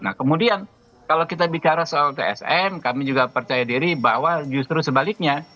nah kemudian kalau kita bicara soal tsm kami juga percaya diri bahwa justru sebaliknya